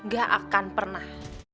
gak akan pernah